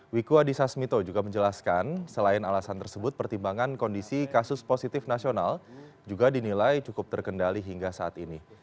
wiku adhisa smito juga menjelaskan selain alasan tersebut pertimbangan kondisi kasus positif nasional juga dinilai cukup terkendali hingga saat ini